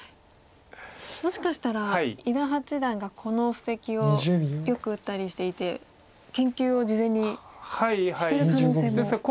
もしかしたら伊田八段がこの布石をよく打ったりしていて研究を事前にしてる可能性もありますか。